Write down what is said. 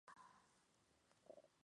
El origen del monasterio es oscuro.